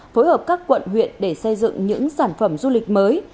phối hợp các quận huyện để xây dựng những sản phẩm du lịch mới